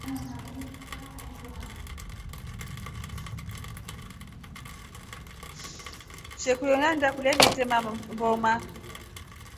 Shekuyo nyaenda tema kulya mboma.